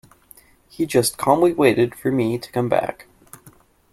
He just calmly waited for me to come back.